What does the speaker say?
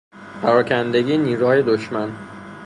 پراکندگی نیروهای دشمن